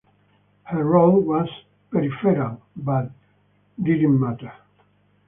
Her role was peripheral but that didn't matter.